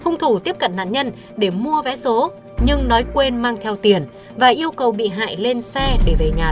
như đối tượng như lời khai của bị hại gây án